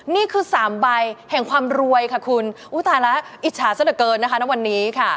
นี่คือสามใบแห่งความรวยค่ะคุณอุ้ยตายแล้วอิจฉาซะเหลือเกินนะคะณวันนี้ค่ะ